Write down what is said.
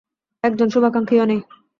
একজন শুভাকাঙ্ক্ষীও নেই?